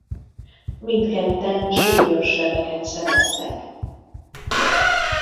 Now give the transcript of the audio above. Mindketten súlyos sebeket szereztek.